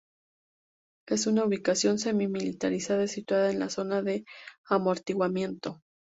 Es una ubicación semi-militarizada situada en la zona de amortiguamiento.